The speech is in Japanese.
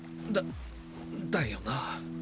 だだよな。